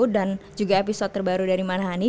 dan juga episode terbaru dari banihani